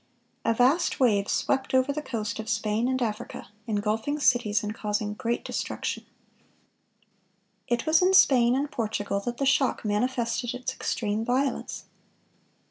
A vast wave swept over the coast of Spain and Africa, engulfing cities, and causing great destruction. It was in Spain and Portugal that the shock manifested its extreme violence.